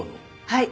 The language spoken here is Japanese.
はい。